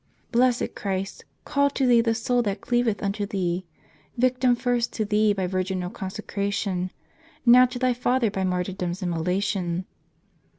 Blessed Christ, call to Thee the soul that cleaveth unto Thee : victim first to Thee by virginal consecration; now to Thy Father by martyrdom's immolation."